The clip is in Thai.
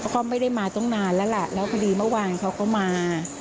ก็ไม่ได้มาตรงนานแล้วและควริเมื่อวานเขาก็มา